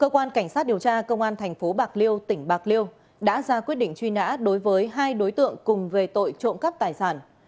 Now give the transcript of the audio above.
cơ quan cảnh sát điều tra công an thành phố bạc liêu tỉnh bạc liêu đã ra quyết định truy nã đối với hai đối tượng cùng về tội trộm cắp tài sản